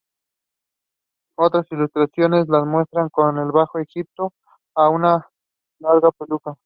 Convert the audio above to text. Otras ilustraciones la muestran con la del Bajo Egipto o con una larga peluca.